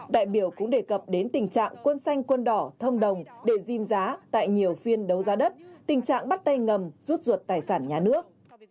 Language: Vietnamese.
đại biểu cũng đề cập đến tình trạng quân xanh quân đỏ thông đồng để diêm giá tại nhiều phiên đấu giá đất tình trạng bắt tay ngầm rút ruột tài sản nhà nước